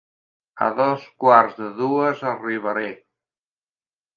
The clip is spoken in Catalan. A dos quarts de dues arribaré.